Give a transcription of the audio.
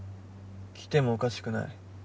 来てもおかしくない。